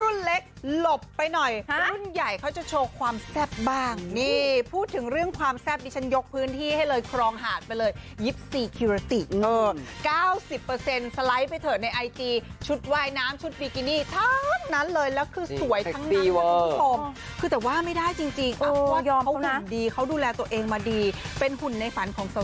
เล็กหลบไปหน่อยรุ่นใหญ่เขาจะโชว์ความแซ่บบ้างนี่พูดถึงเรื่องความแซ่บดิฉันยกพื้นที่ให้เลยครองหาดไปเลย๒๔คิราติก๙๐สไลด์ไปเถอะในไอจีชุดว่ายน้ำชุดบิกินี่ทั้งนั้นเลยแล้วคือสวยทั้งนี้คุณผู้ชมคือแต่ว่าไม่ได้จริงเพราะว่ายอมเขาหุ่นดีเขาดูแลตัวเองมาดีเป็นหุ่นในฝันของส